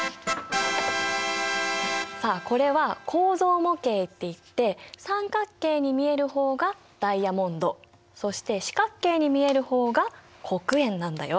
さあこれは構造模型っていって三角形に見える方がダイヤモンドそして四角形に見える方が黒鉛なんだよ。